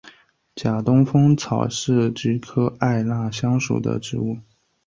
假东风草是菊科艾纳香属的植物。